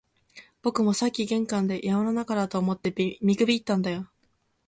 僕もさっき玄関で、山の中だと思って見くびったんだよ